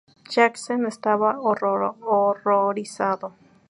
Jackson estaba horrorizado.